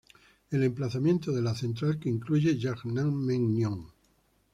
El emplazamiento de la central que incluye Yangnam-myeon.